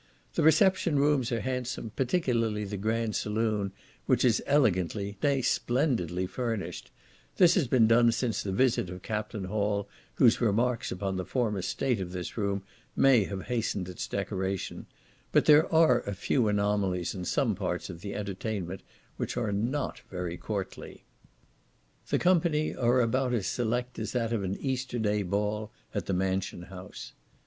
The reception rooms are handsome, particularly the grand saloon, which is elegantly, nay, splendidly furnished; this has been done since the visit of Captain Hall, whose remarks upon the former state of this room may have hastened its decoration; but there are a few anomalies in some parts of the entertainment, which are not very courtly. The company are about as select as that of an Easter day ball at the Mansion house.